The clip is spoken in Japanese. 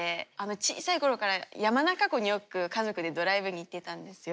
小さいころから山中湖によく家族でドライブに行ってたんですよ。